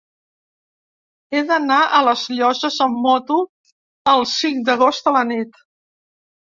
He d'anar a les Llosses amb moto el cinc d'agost a la nit.